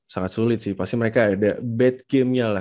sangat sulit sih pasti mereka ada bad game nya lah